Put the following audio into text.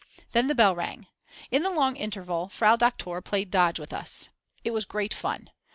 Then the bell rang. In the long interval Frau Doktor played dodge with us. It was great fun.